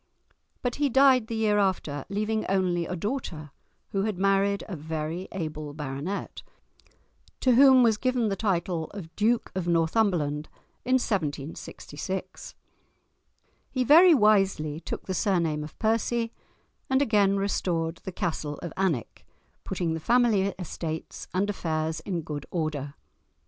But he died the year after, leaving only a daughter, who had married a very able baronet, to whom was given the title of Duke of Northumberland in 1766. He very wisely took the surname of Percy, and again restored the castle of Alnwick, putting the family estates and affairs in good order.